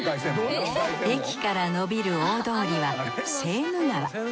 駅からのびる大通りはセーヌ川。